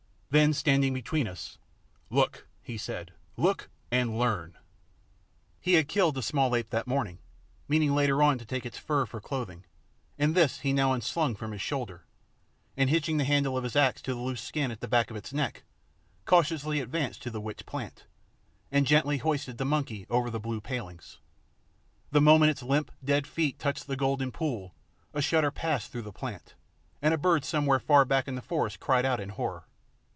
Then standing between us, "Look," he said, "look and learn." He had killed a small ape that morning, meaning later on to take its fur for clothing, and this he now unslung from his shoulder, and hitching the handle of his axe into the loose skin at the back of its neck, cautiously advanced to the witch plant, and gently hoisted the monkey over the blue palings. The moment its limp, dead feet touched the golden pool a shudder passed through the plant, and a bird somewhere far back in the forest cried out in horror.